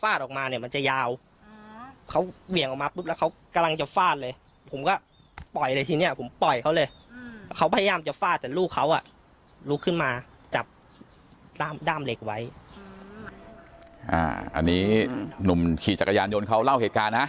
ฟาดเลยผมก็ปล่อยเลยทีเน๊ยผมปล่อยเขาเลยเขาพยายามจะฟาดแต่ลูกเขาลูกขึ้นมาจับด้ามเหล็กไว้อ่านี้หนุ่มขี่จักรยานโยนเขาเล่าเหตุการณ์นะ